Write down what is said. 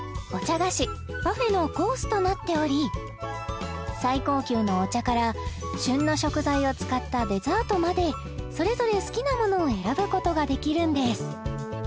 菓子パフェのコースとなっており最高級のお茶から旬の食材を使ったデザートまでそれぞれ好きなものを選ぶことができるんです